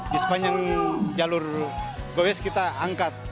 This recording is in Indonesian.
di sepanjang jalur go west kita angkat